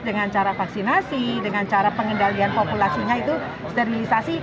dengan cara vaksinasi dengan cara pengendalian populasinya itu sterilisasi